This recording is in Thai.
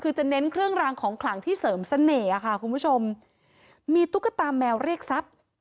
คือจะเน้นเครื่องรางของขลังที่เสริมเสน่ห์ค่ะคุณผู้ชมมีตุ๊กตาแมวเรียกทรัพย์